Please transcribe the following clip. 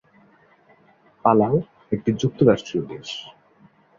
Palau একটি যুক্তরাষ্ট্রীয় দেশ।